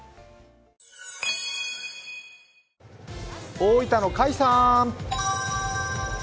大分の甲斐さん。